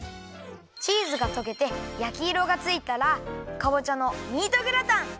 チーズがとけてやきいろがついたらかぼちゃのミートグラタン！